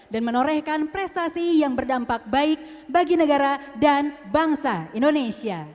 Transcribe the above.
dan menorehkan prestasi yang berdampak baik bagi negara dan bangsa indonesia